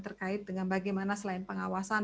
terkait dengan bagaimana selain pengawasan